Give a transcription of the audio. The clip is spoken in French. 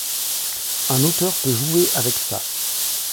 Un auteur peut jouer avec ça.